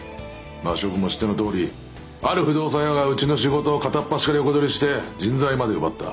まあ諸君も知ってのとおりある不動産屋がうちの仕事を片っ端から横取りして人材まで奪った。